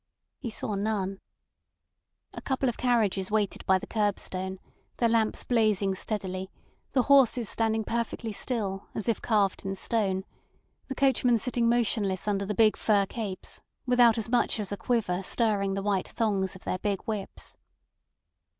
He saw none. A couple of carriages waited by the curbstone, their lamps blazing steadily, the horses standing perfectly still, as if carved in stone, the coachmen sitting motionless under the big fur capes, without as much as a quiver stirring the white thongs of their big whips.